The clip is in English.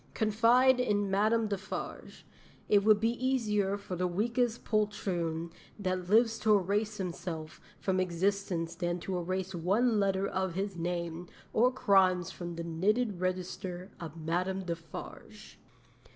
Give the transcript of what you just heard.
Confide in Madame Defarge. It would be easier for the weakest poltroon that lives to erase himself from existence than to erase one letter of his name or crimes from the knitted register of Madame Defarge."'